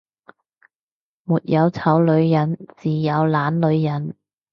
沒有醜女人，只有懶女人